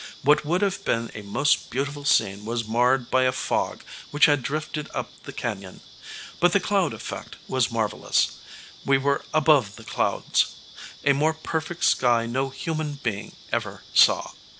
What would have been a most beautiful scene was marred by a fog which had drifted up the canyon. But the cloud effect was marvelous. We were above the clouds. A more perfect sky no human being ever saw.